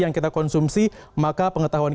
yang kita konsumsi maka pengetahuan